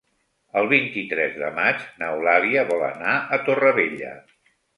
El vint-i-tres de maig n'Eulàlia vol anar a Torrevella.